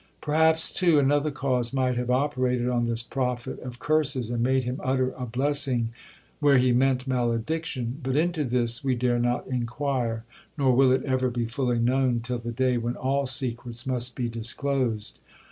'1 Perhaps, too, another cause might have operated on this prophet of curses, and made him utter a blessing where he meant malediction; but into this we dare not inquire, nor will it ever be fully known till the day when all secrets must be disclosed.